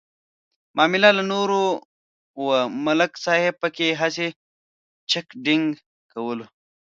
معامله د نور وه ملک صاحب پکې هسې چک ډینک کولو.